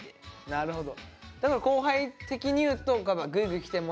なるほど。